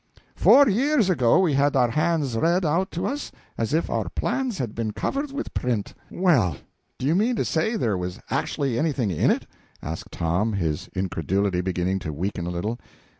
Four years ago we had our hands read out to us as if our palms had been covered with print." "Well, do you mean to say there was actually anything in it?" asked Tom, his incredulity beginning to weaken a little.